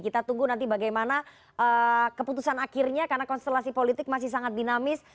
kita tunggu nanti bagaimana keputusan akhirnya karena konstelasi politik masih sangat dinamis